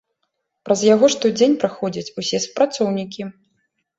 Праз яго штодзень праходзяць усе супрацоўнікі.